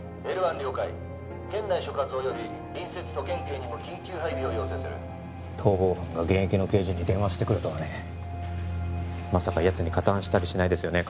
Ｌ１了解県内所轄および隣接都県警にも緊急配備を要請する逃亡犯が現役の刑事に電話してくるとはねまさかやつに加担したりしないですよね？